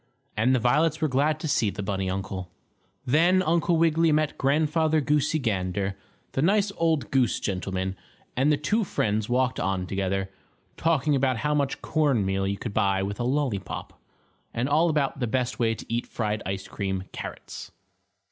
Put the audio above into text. And the violets were glad to see the bunny uncle. Then Uncle Wiggily met Grandfather Goosey Gander, the nice old goose gentleman, and the two friends walked on together, talking about how much cornmeal you could buy with a lollypop, and all about the best way to eat fried ice cream carrots.